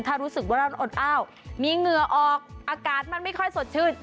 ถ้ารู้สึกว่าร้อนอดอ้าวมีเหงื่อออกอากาศมันไม่ค่อยสดชื่น